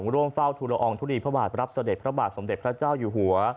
ร่วมเฝ้าทุลอองทุลีพระบาทรับเสด็จพระบาทสมเด็จพระเจ้าอยู่หัว